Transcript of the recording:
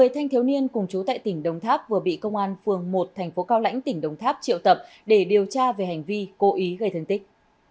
một mươi thanh thiếu niên cùng chú tại tỉnh đồng tháp vừa bị công an phường một thành phố cao lãnh tỉnh đồng tháp triệu tập để điều tra về hành vi cố ý gây thương tích